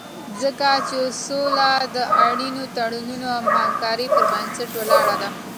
ځکه چې سوله د اړینو تړونونو او همکارۍ پر بنسټ ولاړه ده.